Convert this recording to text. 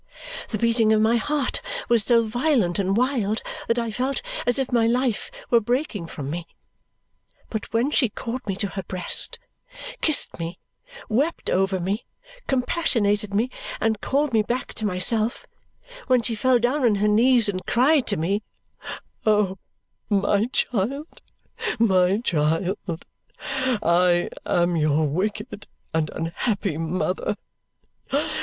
The beating of my heart was so violent and wild that I felt as if my life were breaking from me. But when she caught me to her breast, kissed me, wept over me, compassionated me, and called me back to myself; when she fell down on her knees and cried to me, "Oh, my child, my child, I am your wicked and unhappy mother!